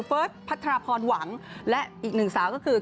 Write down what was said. เฟิร์สพัทรพรหวังและอีกหนึ่งสาวก็คือ